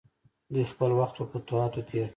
دوی خپل وخت په فتوحاتو تیر کړ.